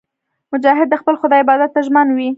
مجاهد د خپل خدای عبادت ته ژمن وي.